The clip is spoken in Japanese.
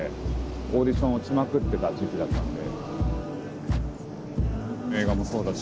オーディション落ちまくってた時期だったんで。